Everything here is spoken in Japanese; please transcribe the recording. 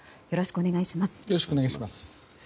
よろしくお願いします。